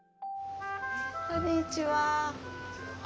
こんにちは。